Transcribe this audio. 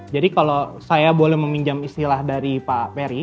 jadi kalau saya boleh meminjam istilah dari pak peri